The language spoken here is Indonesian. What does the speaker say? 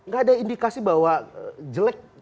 gak ada indikasi bahwa jelek